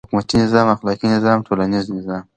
. د حکومتی نظام، اخلاقی نظام، ټولنیز نظام